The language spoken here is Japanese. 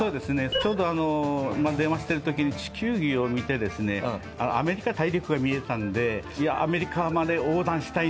ちょうど電話してる時に地球儀を見てですねアメリカ大陸が見えたんで「アメリカまで横断したいんです」という事で。